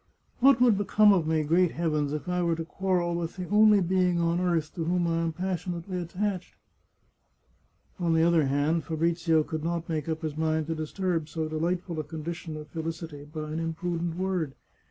" What would be come of me, great heavens, if I were to quarrel with the only being on earth to whom I am passionately attached ?" On the other hand, Fabrizio could not make up his mind to disturb so delightful a condition of felicity by an imprudent word.